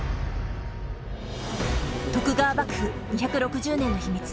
徳川幕府２６０年の秘密。